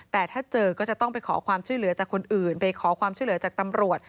แต่ถ้าเจอก็จะต้องไปขอความช่วยเหลือจากคนอื่นไปขอความช่วยเหลือจากตำรวจ